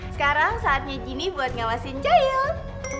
sekarang saatnya jini buat ngawasin cahil